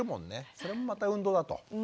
それもまた運動だと。